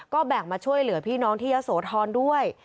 ก็แบ่งมาช่วยเหลือพี่น้องที่ยะโสธรด้วย